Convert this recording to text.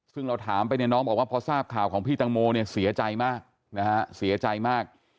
ซึ่งเราถามไปน้องบอกว่าพอทราบข่าวของพี่ตังโมเสียใจมาก